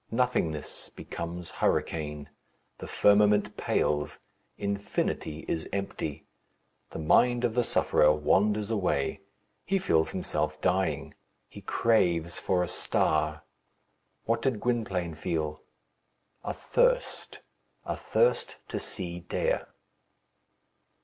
Nothingness becomes hurricane. The firmament pales. Infinity is empty. The mind of the sufferer wanders away. He feels himself dying. He craves for a star. What did Gwynplaine feel? a thirst a thirst to see Dea.